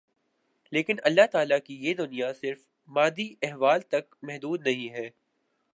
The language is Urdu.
لیکن اللہ تعالیٰ کی یہ دنیا صرف ان مادی احوال تک محدود نہیں ہے